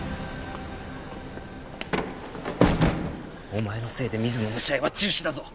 お前のせいで水野の試合は中止だぞ！